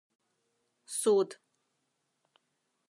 Суд.